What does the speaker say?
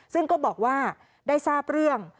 ซึ่งก็บอกว่าได้ทราบเรื่อง